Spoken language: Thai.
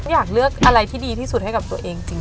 อยากเลือกอะไรที่ดีที่สุดให้กับตัวเองจริง